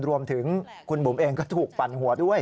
รวมถึงคุณบุ๋มเองก็ถูกปั่นหัวด้วย